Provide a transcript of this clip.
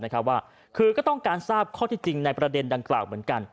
คือก็ต้องการทราบข้อที่จริงในประเด็นดังกล่าว